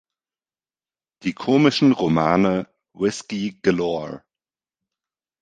Die komischen Romane Whisky Galore!